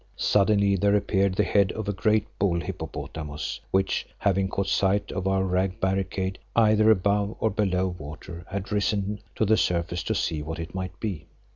Suddenly there appeared the head of a great bull hippopotamus which, having caught sight of our rag barricade, either above or below water, had risen to the surface to see what it might be.